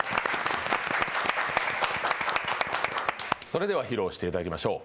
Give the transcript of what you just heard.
それでは披露していただきましょう。